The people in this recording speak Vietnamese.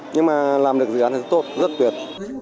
nhưng mà làm được dự án thì tốt rất tuyệt